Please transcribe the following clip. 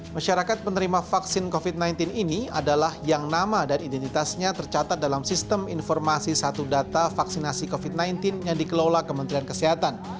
masyarakat penerima vaksin covid sembilan belas ini adalah yang nama dan identitasnya tercatat dalam sistem informasi satu data vaksinasi covid sembilan belas yang dikelola kementerian kesehatan